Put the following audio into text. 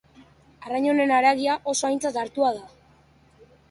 Arrain honen haragia oso aintzat hartua da.